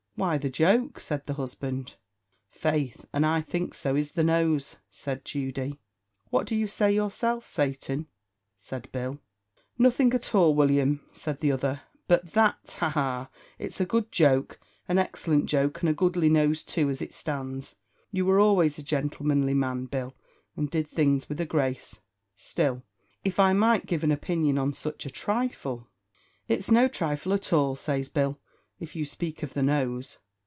"Why, the joke," said the husband. "Faith, and I think so is the nose," said Judy. "What do you say yourself, Satan?" said Bill. "Nothing at all, William," said the other; "but that ha! ha! it's a good joke an excellent joke, and a goodly nose, too, as it stands. You were always a gentlemanly man, Bill, and did things with a grace; still, if I might give an opinion on such a trifle " "It's no trifle at all," says Bill, "if you spake of the nose."